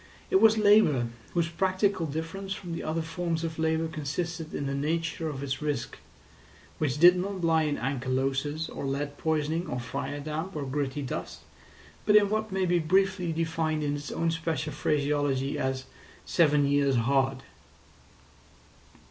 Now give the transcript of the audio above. It was labour, whose practical difference from the other forms of labour consisted in the nature of its risk, which did not lie in ankylosis, or lead poisoning, or fire damp, or gritty dust, but in what may be briefly defined in its own special phraseology as "Seven years hard."